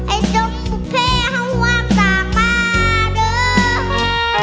ไอ้สนุกแพ้ห้าหว่ำสากมาด้วย